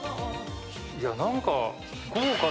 いや何か。